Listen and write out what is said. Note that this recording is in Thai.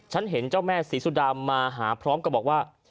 ฉันเห็นเจ้าแม่ศรีสุดามาหาพร้อมกับบอกว่า